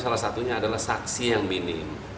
salah satunya adalah saksi yang minim